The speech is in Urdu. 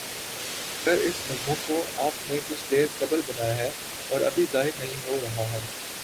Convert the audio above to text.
گر اس مضمون کو آپ نے کچھ دیر قبل بنایا ہے اور ابھی ظاہر نہیں ہو رہا ہے